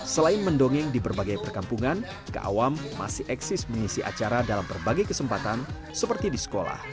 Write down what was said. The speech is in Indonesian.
selain mendongeng di berbagai perkampungan keawam masih eksis mengisi acara dalam berbagai kesempatan seperti di sekolah